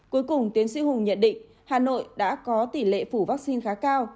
cuối cùng tiến sĩ hùng nhận định hà nội đã có tỷ lệ phủ vaccine khá cao